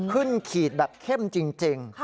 พึ่งขีดแบบเค้มจริง